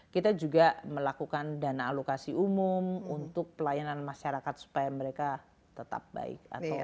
kita juga melakukan dana alokasi umum untuk pelayanan masyarakat supaya mereka tetap baik